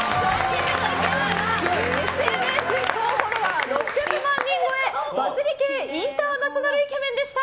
ＳＮＳ総フォロワー６００万人超えバズり系インターナショナルイケメンでした。